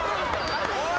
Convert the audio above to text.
おい！